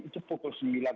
itu pukul sembilan mbak